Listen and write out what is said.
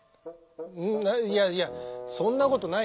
んいやいやそんなことないよ。